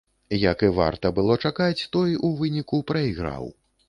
Як і варта было чакаць, той у выніку прайграў.